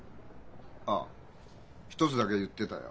ああ一つだけ言ってたよ。